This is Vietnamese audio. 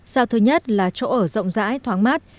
sao thứ nhất là chỗ ở rộng rãi thoáng mát